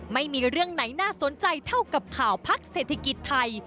ไม่มีเรื่องไหนน่าสนใจเท่ากับข่าวพักเศรษฐกิจไทย